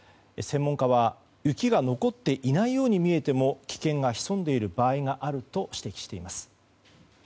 専門家は雪が残っていないように見えても危険が潜んでいる場合があると指摘しています。